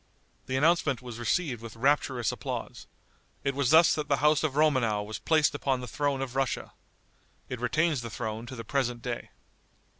The announcement was received with rapturous applause. It was thus that the house of Romanow was placed upon the throne of Russia. It retains the throne to the present day.